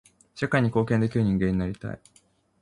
社会に貢献できる人間になりたい。